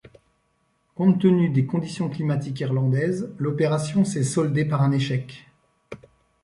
Compte tenu des conditions climatiques irlandaises, l'opération s'est soldée par un échec.